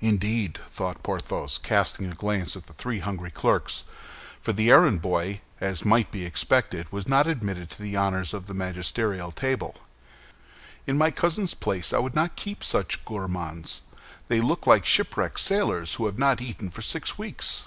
"Indeed!" thought Porthos, casting a glance at the three hungry clerks—for the errand boy, as might be expected, was not admitted to the honors of the magisterial table, "in my cousin's place, I would not keep such gourmands! They look like shipwrecked sailors who have not eaten for six weeks."